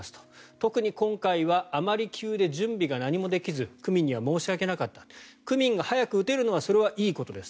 特に今回はあまり急で準備が何もできず区民には申し訳なかった区民が早く打てるのはそれはいいことです。